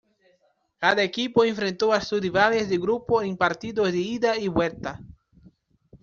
Cada equipo enfrentó a sus rivales de grupo en partidos de ida y vuelta.